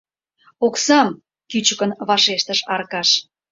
— Оксам, — кӱчыкын вашештыш Аркаш.